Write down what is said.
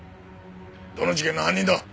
どの事件の犯人だ？